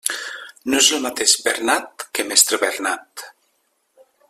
No és el mateix Bernat que mestre Bernat.